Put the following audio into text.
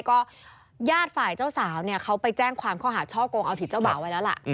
ก็ญาติฝ่ายเจ้าสาวเนี่ยเขาไปแจ้งความข้อหาช่อกงเอาผิดเจ้าบ่าวไว้แล้วล่ะ